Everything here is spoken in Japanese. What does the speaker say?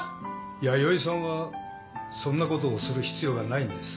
弥生さんはそんなことをする必要がないんです。